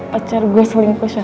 pacar gue selingkuh syah